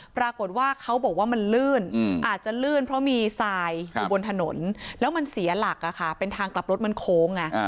ปรากฏว่าเขาบอกว่ามันลื่นอาจจะลื่นเพราะมีทรายอยู่บนถนนแล้วมันเสียหลักเป็นทางกลับรถมันโค้ง